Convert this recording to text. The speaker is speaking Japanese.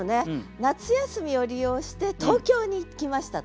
夏休みを利用して東京に行きましたと。